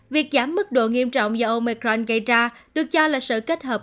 việc giảm mức độ nghiêm trọng do omecran gây ra được cho là sự kết hợp